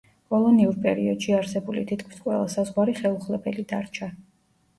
კოლონიურ პერიოდში არსებული თითქმის ყველა საზღვარი ხელუხლებელი დარჩა.